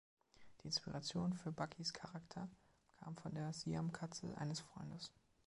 Die Inspiration für Buckys Charakter kam von der Siamkatze eines Freundes.